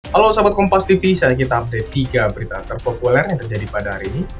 halo sahabat kompastv saya ingin mengupdate tiga berita terpopuler yang terjadi pada hari ini